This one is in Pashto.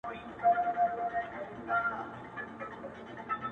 اوس خورا په خړپ رپيږي ورځ تېرېږي.